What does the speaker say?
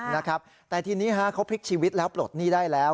นะครับแต่ทีนี้ฮะเขาพลิกชีวิตแล้วปลดหนี้ได้แล้ว